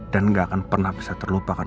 dan gak akan pernah bisa terlupakan